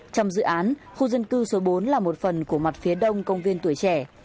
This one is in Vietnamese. trong dự án khu dân cư số bốn là một phần của mặt phía đông công viên tuổi trẻ